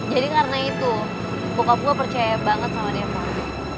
jadi karena itu bokap gue percaya banget sama depon